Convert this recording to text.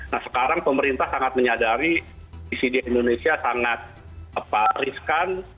nah sekarang pemerintah sangat menyadari isi di indonesia sangat riskan